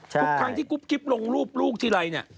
ทุกครั้งที่กุ๊บกิ๊บลงรูปลูกทีไรเนี่ย